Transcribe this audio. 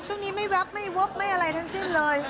ช่วงนี้ไม่แป๊บไม่วบไม่อะไรทั้งสิ้นเลย